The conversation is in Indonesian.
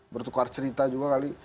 bertukar cerita juga kali